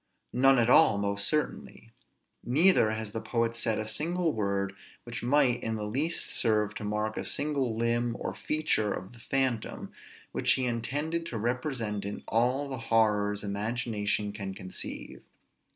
none at all, most certainly: neither has the poet said a single word which might in the least serve to mark a single limb or feature of the phantom, which he intended to represent in all the horrors imagination can conceive.